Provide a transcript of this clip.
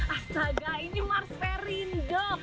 astaga ini mars perindo